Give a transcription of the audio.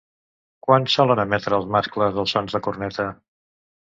Quan solen emetre els mascles els sons de corneta?